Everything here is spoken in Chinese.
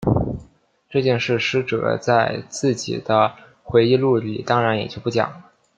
这件事师哲在自己的回忆录里当然也就不讲了。